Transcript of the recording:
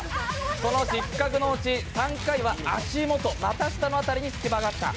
その失格のうち３回は足元、股下の辺りに隙間があった。